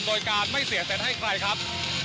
โดยการไม่เสียเต็นต์ให้ใครครับ